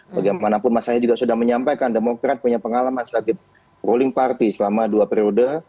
bagaimanapun mas ahaya juga sudah menyampaikan demokrat punya pengalaman sebagai rolling party selama dua periode